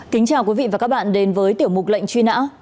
kính chào quý vị và các bạn đến với tiểu mục lệnh truy nã